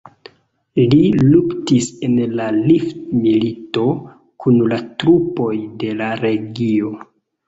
Li luktis en la Rif-milito kun la trupoj de la Legio.